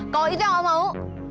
kalau itu yang aku mau